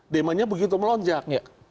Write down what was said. demandnya begitu melonjak